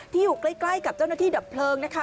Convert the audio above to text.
อยู่ใกล้กับเจ้าหน้าที่ดับเพลิงนะคะ